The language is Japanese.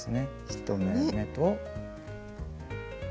１目めと。